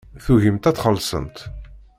Tugimt ad txellṣemt.